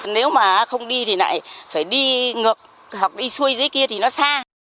nếu mà không đi thì lại phải đi ngược học đi xuôi dưới kia thì nó xa